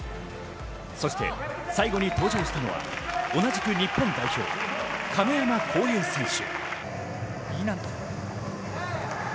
そして最後に登場したのは、同じく日本代表、亀山耕平選手。